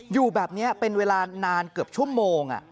อยู่แบบนี้เป็นเวลานานเกือบชั่วโมง